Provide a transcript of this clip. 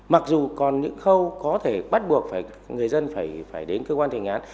mặc dù còn những khâu có thể bắt buộc người dân phải đến cơ quan thi hành án